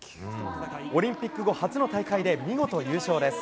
オリンピック後初の大会で見事優勝です。